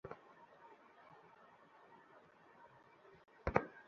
এখানে general Kitchener বলে কেউ নেই।